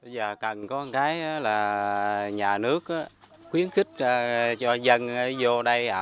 nếu còn ở trong này mà bây giờ cứ gì đây là chịu bỏ tay